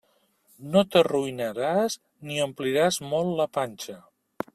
No t'arruïnaràs ni ompliràs molt la panxa.